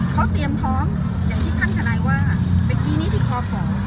เขาเตรียมพร้อมอย่างที่ท่านทนายว่าเมื่อกี้นี้ที่คอขอ